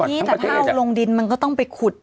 นี่แต่ถ้าเอาลงดินมันก็ต้องไปขุด